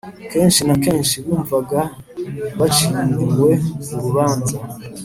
kenshi na kenshi bumvaga baciriwe urubanza